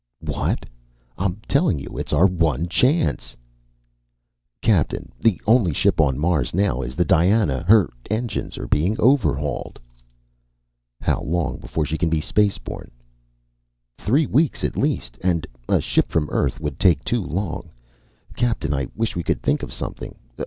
"What? I'm telling you it's our one chance!" "Captain, the only ship on Mars now is the Diana. Her engines are being overhauled." "How long before she can be spaceborne?" "Three weeks, at least. And a ship from Earth would take too long. Captain, I wish we could think of something.